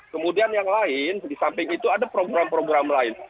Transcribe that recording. kemudian yang lain di samping itu ada program program lain